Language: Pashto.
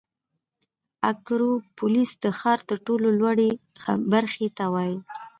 اکروپولیس د ښار تر ټولو لوړې برخې ته وایي.